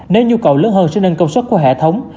nếu nhu cầu lớn hơn sẽ nâng công suất của hệ thống